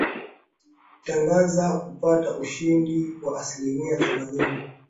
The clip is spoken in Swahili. tangaza kupata ushindi wa asilimia themanini